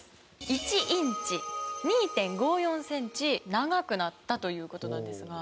１インチ２．５４センチ長くなったという事なんですが。